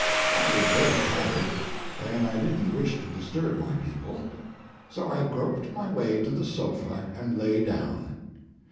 I was very tired, and I didn't wish to disturb my people. So I groped my way to the sofa and lay down.